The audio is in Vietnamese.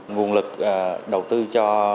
nguồn lực đầu tư cho